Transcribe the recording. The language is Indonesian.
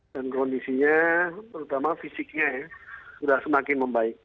dan kondisinya terutama fisiknya sudah semakin membaik